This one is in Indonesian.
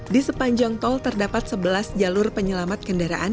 di sepanjang tol terdapat sebelas jalur penyelamat kendaraan